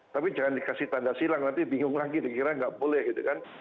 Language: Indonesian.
tapi jangan dikasih tanda silang nanti bingung lagi dikira nggak boleh gitu kan